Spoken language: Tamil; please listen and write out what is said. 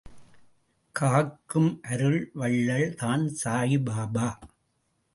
காக்கும் அருள் வள்ளல் தான் சாயிபாபா.